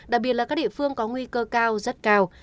đặc biệt là các địa phương có nguy cơ cao rất cao